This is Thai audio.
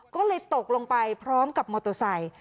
ก็เลยตกลงไปพร้อมกับมอเตอร์ไซค์